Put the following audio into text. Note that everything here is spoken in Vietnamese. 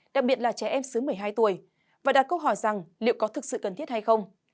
đặc biệt là trẻ em dưới một mươi hai tuổi và đặt câu hỏi rằng liệu có thực sự cần thiết hay không